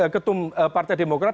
ketum partai demokrat